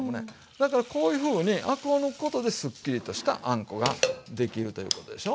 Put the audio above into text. だからこういうふうにアクを抜くことでスッキリとしたあんこができるということでしょ。